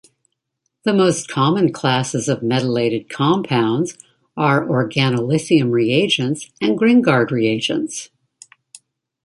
The most common classes of metallated compounds are organolithium reagents and Gringard reagents.